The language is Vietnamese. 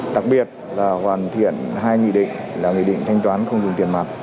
đặc biệt là hoàn thiện hai nghị định là nghị định thanh toán không dùng tiền mặt